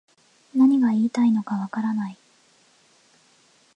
何が言いたいのかわからない